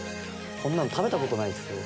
こんなん食べたことないです。